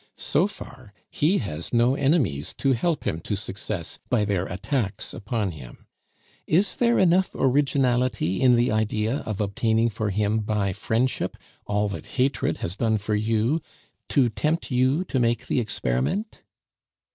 So far, he has no enemies to help him to success by their attacks upon him. Is there enough originality in the idea of obtaining for him by friendship all that hatred has done for you to tempt you to make the experiment?"